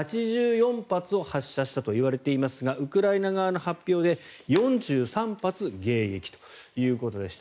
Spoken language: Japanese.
８４発を発射したといわれていますがウクライナ側の発表で４３発迎撃ということです。